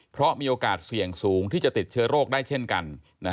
เพราะมีโอกาสเสี่ยงสูงที่จะติดเชื้อโรคได้เช่นกัน